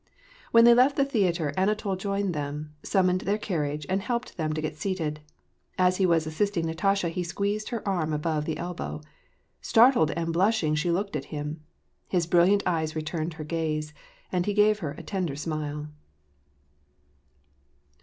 When they left the theatre Anatol joined them, summoned their carriage, and helped them to get seated. As he was assist ing Natasha he squeezed her arm above the elbow. Startled and blushing she looked at him. His brilliant eyes returned her gaze> and he gave her a tender smile.